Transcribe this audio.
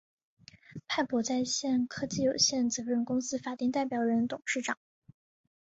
派博在线（北京）科技有限责任公司法定代表人、董事长